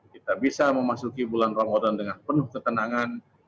kita bisa memasuki bulan ramadan dengan penuh ketenangan